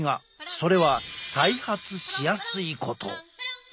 それは再発しやすいこと。